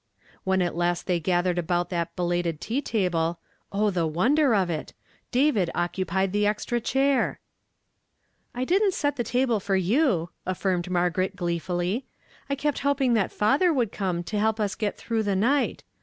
When at last they gathered about that belated tea table — oh, the wonder of it ! David occujjied the extra cliair ! "I didn't set the table for you," affirmed Mar garet gleefully. " I kept hoping that father would come to help us get through the night.